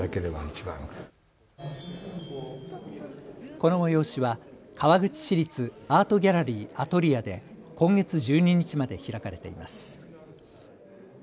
この催しは川口市立アートギャラリー・アトリアで今月１２日まで開かれています。